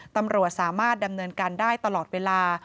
ตำรวจสามารถดำเนินการได้ตลอดเวลา